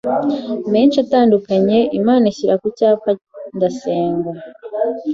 menshi atandukanye, Imana inshyira ku cyapa ndasenga